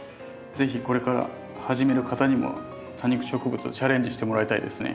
是非これから始める方にも多肉植物をチャレンジしてもらいたいですね。